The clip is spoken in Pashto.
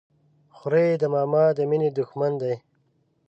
خوريي د ماما د ميني د ښمن دى.